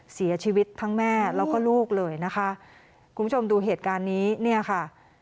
เสียชีวิตทั้งแม่แล้วก็ลูกเลยนะคะคุณผู้ชมดูเหตุการณ์นี้เนี่ยค่ะ